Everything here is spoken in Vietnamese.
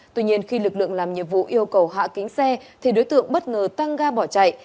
tuy nhiên khi lực lượng làm nhiệm vụ yêu cầu hạ kính xe thì đối tượng bất ngờ tăng ga bỏ chạy